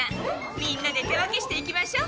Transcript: みんなで手分けして行きましょう。